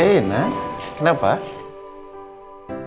mungkin sebaiknya saya terima aja tawaran jennifer